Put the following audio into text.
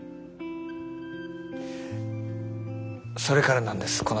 それからなんです